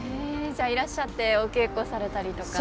じゃあいらっしゃってお稽古されたりとか。